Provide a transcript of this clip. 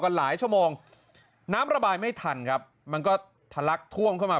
ใหม่ไม่ทันครับมันก็ถลักท่วมเข้ามา